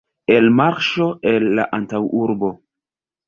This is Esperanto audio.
Elmarŝo el la antaŭurbo.